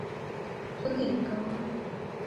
فکر یې کاوه.